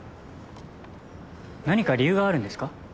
何か理由があるんですか？